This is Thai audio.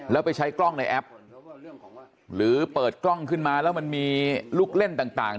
แล้วไปใช้กล้องในแอปหรือเปิดกล้องขึ้นมาแล้วมันมีลูกเล่นต่าง